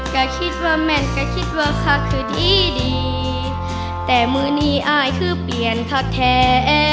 ก็คิดว่าแม่นก็คิดว่าพักคือดีดีแต่มือนี้อายคือเปลี่ยนพักแท้